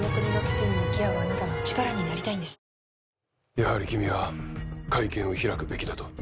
やはり君は会見を開くべきだと？